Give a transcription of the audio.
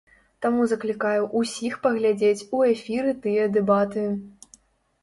Таму заклікаю ўсіх паглядзець у эфіры тыя дэбаты!